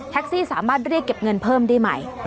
แท็กซี่สามารถได้เก็บเงินเพิ่มได้ไหม